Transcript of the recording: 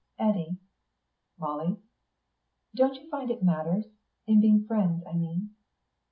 "Eddy." "Molly?" "Don't you find it matters? In being friends, I mean?"